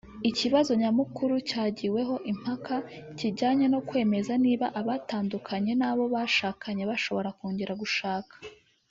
Ikibazo nyamukuru cyagiweho impaka kijyanye no kwemeza niba abatandukanye n’abo bashakanye bashobora kongera gushaka